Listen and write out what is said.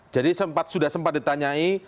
jadi sudah sempat ditanyai